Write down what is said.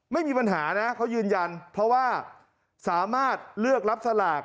ไม่มีปัญหานะเขายืนยันเพราะว่าสามารถเลือกรับสลาก